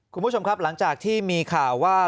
คุณผู้ชมครับหลังจากที่มีข่าวว่า